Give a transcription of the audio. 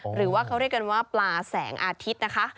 หรือว่าเขาเรียกกันว่าปลาแสงอาทิตย์นะคะ